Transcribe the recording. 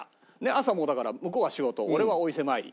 朝もうだから向こうは仕事俺はお伊勢参り。